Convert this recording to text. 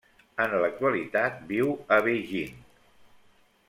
En l'actualitat viu a Beijing.